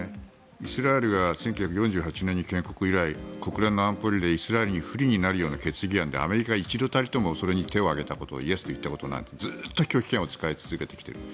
イスラエルが１９４８年に建国以来国連の安保理でイスラエルに不利な決議案にアメリカが一度たりともそれに手を挙げたイエスと言ったことはなくてずっと拒否権を使い続けてきている。